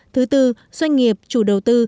thứ tư doanh nghiệp chủ đầu tư